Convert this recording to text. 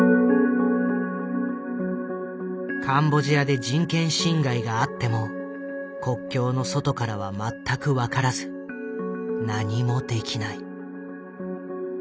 カンボジアで人権侵害があっても国境の外からは全く分からず何もできない。